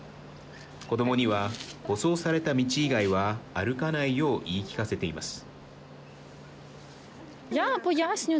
子どもには、舗装された道以外は歩かないよう言い聞かせています。